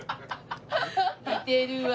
似てるわ。